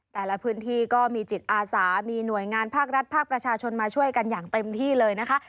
แต่ละพื้นที่ก็มีจิตอาสามีหน่วยงานภาครัฐภาคประชาชนมาช่วยกันอย่างเต็มที่เลยนะคะ